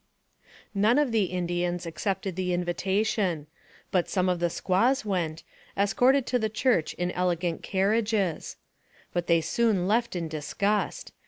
None of the Indians accepted the invitation ; but some of the squaws went, escorted to the church in ele gant carriages ; but they soon left in disgust.